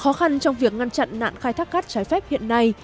khó khăn trong việc ngăn chặn nạn khai thác cát trái phép hiện nay